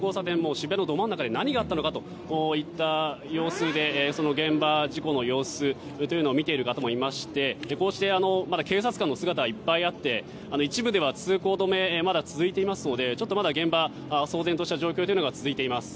渋谷のど真ん中で何があったのかという様子で現場、事故の様子を見ている方もいましてこうしてまだ警察官の姿がいっぱいあって一部では通行止めがまだ続いていますので現場は騒然とした様子が続いています。